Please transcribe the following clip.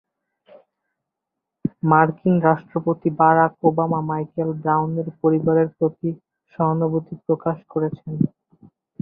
মার্কিন রাষ্ট্রপতি Barack Obama Michael ব্রাউনের পরিবারের প্রতি সহানুভূতি প্রকাশ করেছেন।